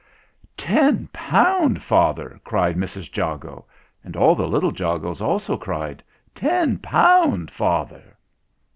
"Ten pound, father!" cried Mrs. Jago; and all the little Jagos also cried "Ten pound, father!"